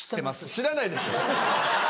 知らないでしょ。